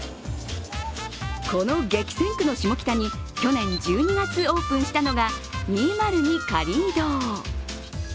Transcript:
この激戦区の下北に去年１２月オープンしたのが２０２カリー堂。